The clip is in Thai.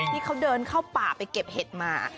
ที่เขาเดินเข้าป่าไปเก็บเห็ดมา